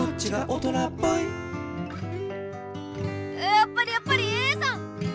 やっぱりやっぱりＡさん！